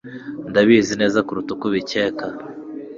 Ndabizi neza kuruta uko ubikeka